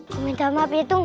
kau minta maaf ya tung